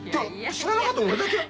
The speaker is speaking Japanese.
知らなかったの俺だけ？